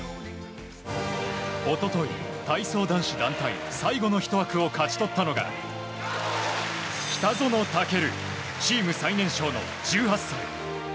一昨日、体操男子団体最後の１枠を勝ち取ったのが北園丈流、チーム最年少の１８歳。